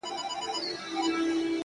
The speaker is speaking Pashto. • په رګو یې د حرص اور وي لګېدلی ,